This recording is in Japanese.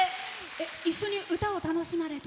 一緒に歌を楽しまれて。